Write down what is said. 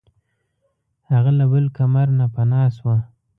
هغه له بل کمر نه پناه شوه.